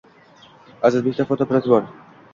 Azizbekda fotoapparati bor